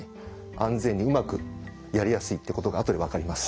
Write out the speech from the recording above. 安全にうまくやりやすいってことが後で分かります。